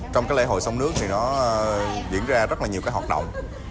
trong lễ hội sông nước thì nó diễn ra rất nhiều hoạt động